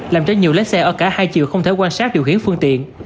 làm cho nhiều lái xe ở cả hai chiều không thể quan sát điều khiển phương tiện